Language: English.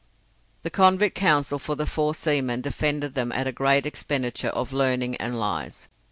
The convict counsel for the four seamen defended them at a great expenditure of learning and lies.